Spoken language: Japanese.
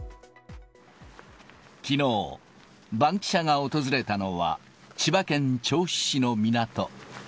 きのう、バンキシャが訪れたのは、千葉県銚子市の港。